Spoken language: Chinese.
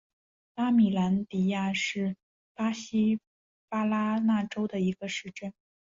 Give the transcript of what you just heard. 拉米兰迪亚是巴西巴拉那州的一个市镇。